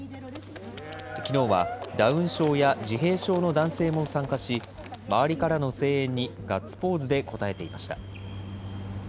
きのうは、ダウン症や自閉症の男性も参加し、周りからの声援にガッツポーズで応えていました。